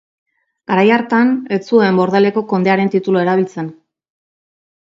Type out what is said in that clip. Garai hartan ez zuen Bordeleko kondearen titulua erabiltzen.